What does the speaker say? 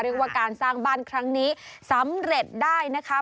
เรียกว่าการสร้างบ้านครั้งนี้สำเร็จได้นะคะ